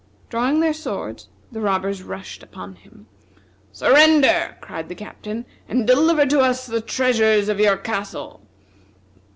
Drawing their swords, the robbers rushed upon him. "Surrender!" cried the Captain, "and deliver to us the treasures of your castle."